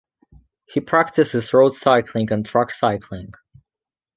He practices road cycling and track cycling.